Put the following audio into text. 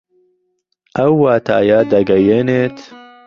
ئەو واتایە دەگەیەنێت